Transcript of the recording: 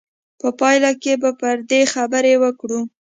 په پایله کې به پر دې خبرې وکړو.